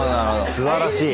すばらしい。